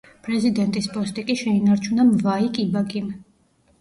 პრეზიდენტის პოსტი კი შეინარჩუნა მვაი კიბაკიმ.